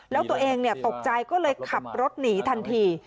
แล้วตัวเองตกใจก็เลยขับรถหนีทันที